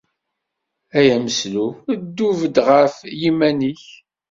A yameslub ddu bedd ɣef yiman-ik.